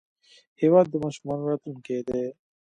هېواد د ماشومانو راتلونکی دی.